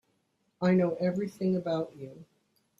I know everything about you.